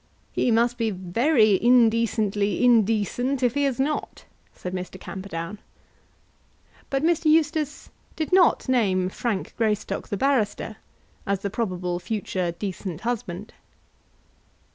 "He must be very indecently indecent if he is not," said Mr. Camperdown. But Mr. Eustace did not name Frank Greystock the barrister as the probable future decent husband.